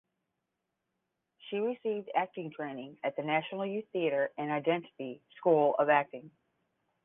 She received acting training at the National Youth Theatre and Identity School of Acting.